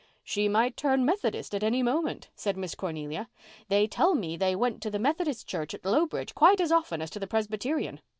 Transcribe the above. "She might turn Methodist at any moment," said Miss Cornelia. "They tell me they went to the Methodist Church at Lowbridge quite as often as to the Presbyterian.